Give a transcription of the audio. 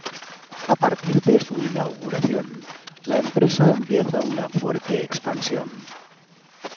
A partir de su inauguración, la empresa empieza una fuerte expansión.